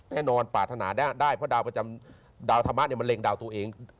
แน่นอนปรารถนาได้เพราะดาวประจำดาวธรรมะมันเร็งดาวตัวเอง